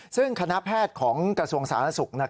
ซึ่งคณะแพทย์ของกระทรวงสาธารณสุข